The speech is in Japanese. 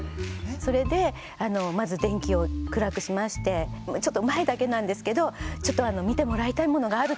それでまず電気を暗くしましてちょっと前だけなんですけどちょっと見てもらいたいものがあると。